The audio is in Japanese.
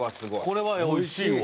これはおいしいわ。